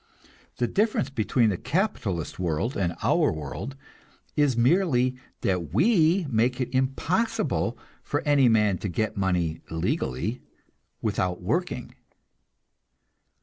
The difference between the capitalist world and our world is merely that we make it impossible for any man to get money legally without working.